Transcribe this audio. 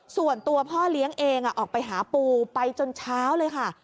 ส่วนตัวพ่อเลี้ยงเองออกไปหาปูไปจนเช้าเลยค่ะ